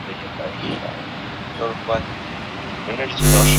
这座教堂也是大教堂网的成员之一。